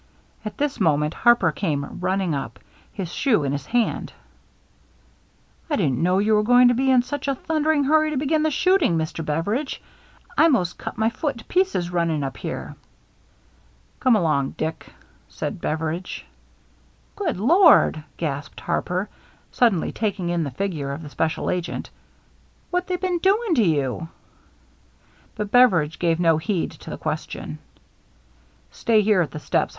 At this moment Harper came run ning up, his shoe in his hand. " I didn't know you was going to be in such a thunder ing hurry to begin the shooting, Mr. Beveridge. I 'most cut my foot to pieces running up here." " Come along, Dick," said Beveridge. " Good Lord !" gasped Harper, suddenly taking in the figure of the special agent. " What they been doing to you ?" But Beveridge gave no heed to the question. "Stay here at the steps.